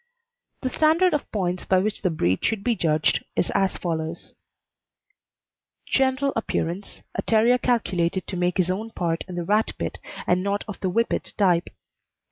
The standard of points by which the breed should be judged is as follows: GENERAL APPEARANCE A terrier calculated to take his own part in the rat pit, and not of the Whippet type.